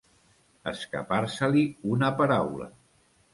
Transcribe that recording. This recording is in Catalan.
Escapar-se-li una paraula.